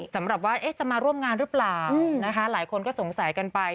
สำหรับว่าจะมาร่วมงานหรือเปล่านะคะหลายคนก็สงสัยกันไป